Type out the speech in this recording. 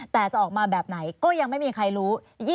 แต่จะออกมาแบบไหนก็ยังไม่มีใครรู้